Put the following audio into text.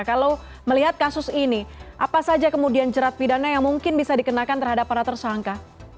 kalau melihat kasus ini apa saja kemudian jerat pidana yang mungkin bisa dikenakan terhadap para tersangka